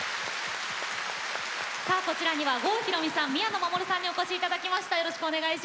こちらには郷ひろみさん、宮野真守さんにお越しいただきました。